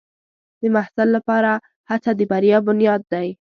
د محصل لپاره هڅه د بریا بنیاد دی.